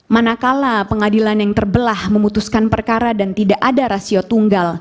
manakala pengadilan yang terbelah memutuskan perkara dan tidak ada rasio tunggal